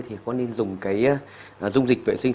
thì có nên dùng cái dung dịch vệ sinh